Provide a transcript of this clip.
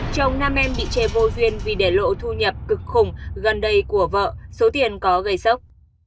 chồng nam em bị che vô duyên vì để lộ thu nhập cực khủng gần đây của vợ số tiền có gây sốc